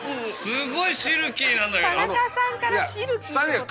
すごいシルキーなんだけど。